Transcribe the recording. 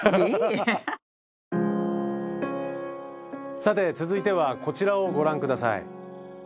さて続いてはこちらをご覧下さい。